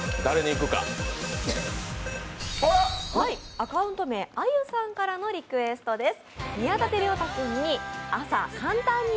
アカウント名Ａｙｕさんからのリクエストです。